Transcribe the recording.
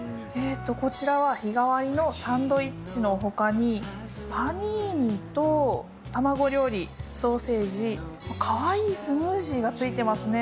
こちらは日替わりのサンドイッチのほかに、パニーニと卵料理、ソーセージ、かわいいスムージーがついてますね。